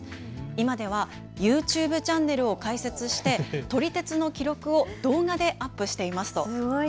今ではＹｏｕＴｕｂｅチャンネルを開設して撮り鉄の記録を動画でアップしています。